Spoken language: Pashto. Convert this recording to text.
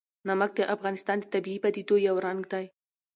نمک د افغانستان د طبیعي پدیدو یو رنګ دی.